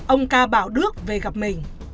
ông ca bảo đức về gặp mình